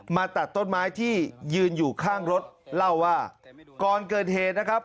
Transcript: ตัดต้นไม้ที่ยืนอยู่ข้างรถเล่าว่าก่อนเกิดเหตุนะครับ